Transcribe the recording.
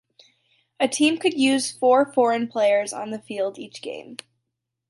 A team could use four foreign players on the field each game.